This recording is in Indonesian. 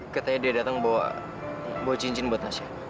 katanya dia datang bawa cincin buat nasihat